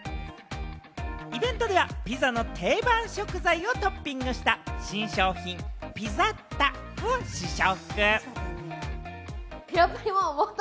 イベントではピザの定番食材をトッピングした新商品、ピザッタを試食。